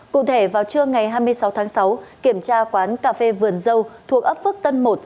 cụ thể vào trưa ngày hai mươi sáu tháng sáu kiểm tra quán cà phê vườn dâu thuộc ấp phước tân một